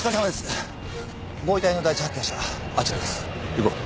行こう。